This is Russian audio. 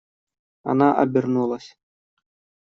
Она обернулась.